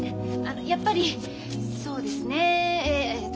やっぱりそうですねえっと